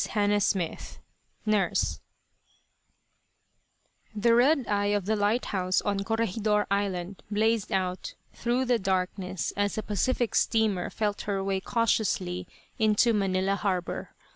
HANNAH SMITH, NURSE The red eye of the lighthouse on Corregidor Island blazed out through the darkness as a Pacific steamer felt her way cautiously into Manila harbour.